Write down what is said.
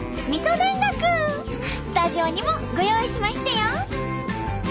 スタジオにもご用意しましたよ！